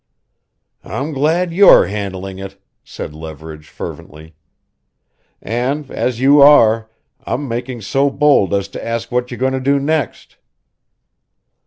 "I'm glad you're handling it," said Leverage fervently. "And as you are, I'm making so bold as to ask what you're going to do next?"